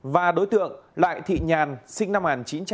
và đối tượng lại thị nhàn sinh năm một nghìn chín trăm năm mươi tám